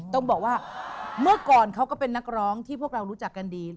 ต้องบอกว่าเมื่อก่อนเขาก็เป็นนักร้องที่พวกเรารู้จักกันดี